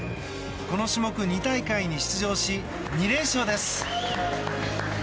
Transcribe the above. この種目、２大会に出場し２連勝です。